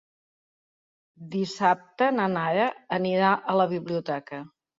Dissabte na Nara anirà a la biblioteca.